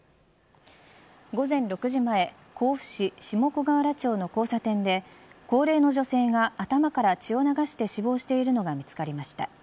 午前６時前甲府市下小河原町の交差点で高齢の女性が頭から血を流して死亡しているのが見つかりました。